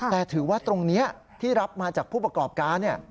แต่ถือว่าตรงนี้ที่รับมาจากผู้ประกอบการ